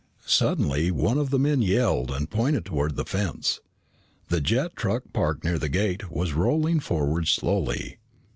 Suddenly one of the men yelled and pointed toward the fence. The jet truck parked near the gate was rolling forward slowly.